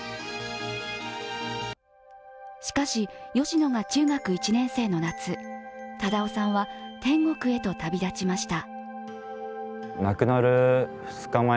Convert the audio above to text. しかし、吉野が中学１年生の夏、忠雄さんは天国へと旅立ちました。